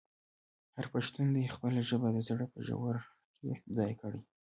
هر پښتون دې خپله ژبه د زړه په ژوره کې ځای کړي.